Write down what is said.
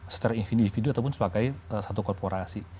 secara individu ataupun sebagai satu korporasi